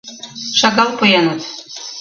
Шагал пуэныт!